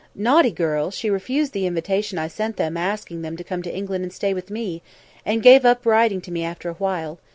Naughty girl, she refused the invitation I sent them asking them to come to England and stay with me, and gave up writing to me after a while.